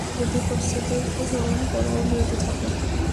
যদি পশ্চাদপসরণ কর ও বিরত থাক।